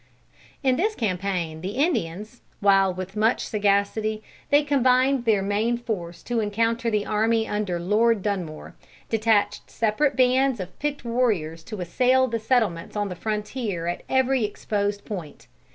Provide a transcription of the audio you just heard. In this campaign the Indians, while with much sagacity they combined their main force to encounter the army under Lord Dunmore, detached separate bands of picked warriors to assail the settlements on the frontier at every exposed point.